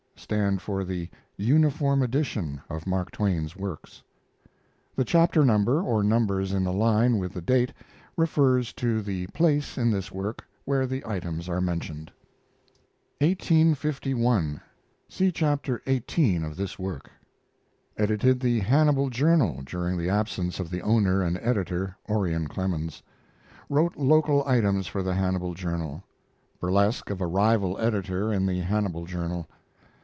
stand for the "Uniform Edition" of Mark Twain's works. The chapter number or numbers in the line with the date refers to the place in this work where the items are mentioned. 1851. (See Chapter xviii of this work.) Edited the Hannibal Journal during the absence of the owner and editor, Orion Clemens. Wrote local items for the Hannibal Journal. Burlesque of a rival editor in the Hannibal Journal.